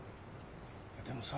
いやでもさ。